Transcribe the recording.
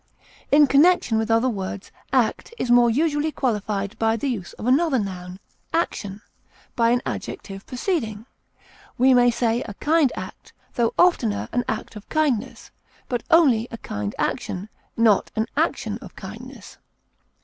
In connection with other words act is more usually qualified by the use of another noun, action by an adjective preceding; we may say a kind act, though oftener an act of kindness, but only a kind action, not an action of kindness.